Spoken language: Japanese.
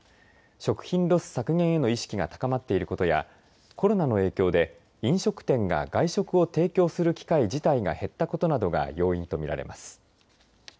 食品ロス削減への意識が高まっていることやコロナの影響で飲食店が会食を提供する機会自体が減ったことなどが要因とみられます。